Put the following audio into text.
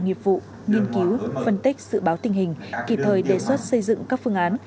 nghiệp vụ nghiên cứu phân tích dự báo tình hình kịp thời đề xuất xây dựng các phương án